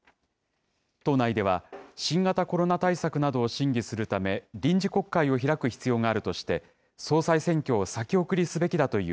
党内では、新型コロナ対策などを審議するため、臨時国会を開く必要があるとして、総裁選挙を先送りすべきだという